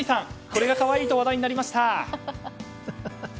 これが可愛いと話題になりました。